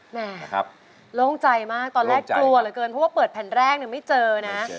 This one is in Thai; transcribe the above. แม่โล่งใจมากตอนแรกกลัวเหลือเกินเพราะว่าเปิดแผ่นแรกไม่เจอนะ